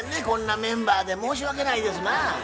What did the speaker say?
こんなメンバーで申し訳ないですなぁ。